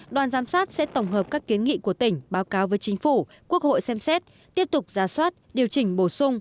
đoàn giám sát sẽ tổng hợp các kiến nghị của tỉnh báo cáo với chính phủ quốc hội xem xét tiếp tục ra soát điều chỉnh bổ sung